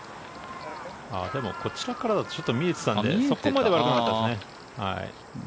でもこちら側だとちょっと見えていたんでそこまでは悪くなかったですね。